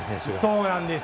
そうなんです。